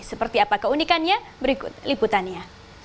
seperti apa keunikannya berikut liputannya